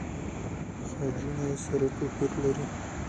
خجونه يې سره توپیر لري.